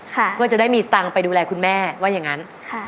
ก็จะได้มีสตางค์ไปดูแลคุณแม่ว่าอย่างนั้น